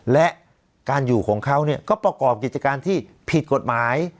และการอยู่ของเขาก็ประกอบกิจการที่ผิดกฎหมาย